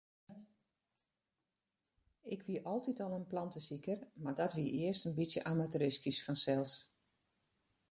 Ik wie altyd al in plantesiker, mar dat wie earst in bytsje amateuristysk fansels.